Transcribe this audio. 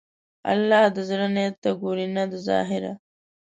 الله د زړه نیت ته ګوري، نه د ظاهره.